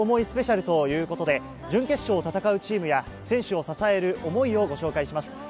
スペシャルということで準決勝を戦うチームや、選手を支える想いをご紹介します。